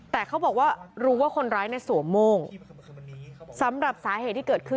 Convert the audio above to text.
แต่เขาบอกว่ารู้ว่าคนร้ายเนี่ยสวมโม่งสำหรับสาเหตุที่เกิดขึ้น